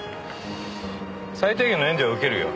最低限の援助は受けるよ。